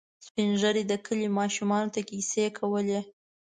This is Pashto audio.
سپين ږیري د کلي ماشومانو ته کیسې کولې.